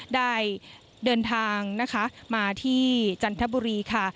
ได้เดินทางมาที่จันทบุรี